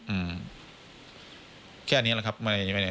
อืมแค่นี้แหละครับไม่